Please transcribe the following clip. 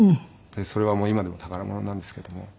それはもう今でも宝物なんですけども。